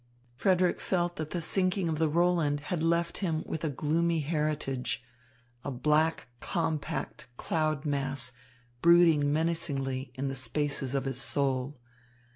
Frederick felt that the sinking of the Roland had left him with a gloomy heritage, a black compact cloud mass brooding menacingly in the spaces of his soul.